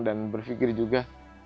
dan berpikir juga